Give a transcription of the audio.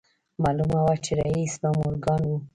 معلومه وه چې رييس به مورګان و.